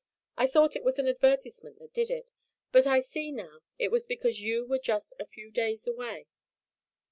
I thought it was an advertisement that did it but I see now it was because you were just a few days away."